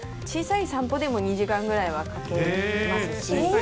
小さい散歩でも２時間ぐらいはかけますし。